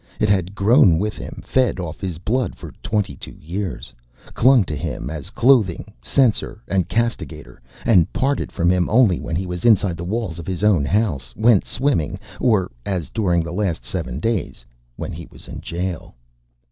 It had grown with him, fed off his blood for twenty two years, clung to him as clothing, censor, and castigator, and parted from him only when he was inside the walls of his own house, went swimming, or, as during the last seven days, when he laid in jail.